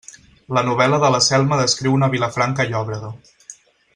La novel·la de la Selma descriu una Vilafranca llòbrega.